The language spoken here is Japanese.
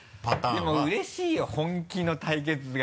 でもうれしいよ本気の対決が。